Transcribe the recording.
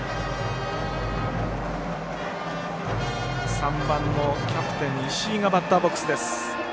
３番のキャプテン、石井がバッターボックスです。